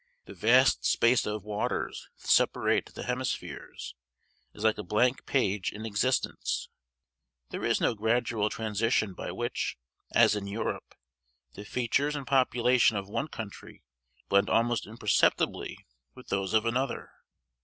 The vast space of waters that separate the hemispheres is like a blank page in existence. There is no gradual transition by which, as in Europe, the features and population of one country blend almost imperceptibly with those of another.